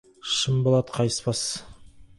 Шын болат қайыспас.